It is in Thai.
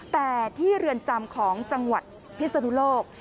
แต่ที่เรือนจำของจังหวัดพิศนุโลก